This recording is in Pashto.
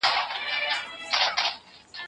د شاتو خوړل د ستوني درد لپاره ښه دي.